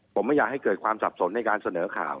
ผมไม่อยากให้เกิดความสับสนในการเสนอข่าว